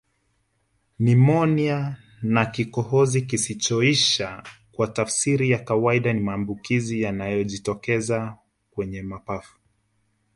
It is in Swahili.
Nimonia na kikohozi kisichoisha kwa tafsiri ya kawaida ni maambukizi yanayojitokeza kwenye mapafu